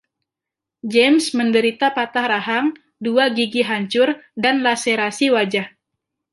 James menderita patah rahang, dua gigi hancur dan laserasi wajah.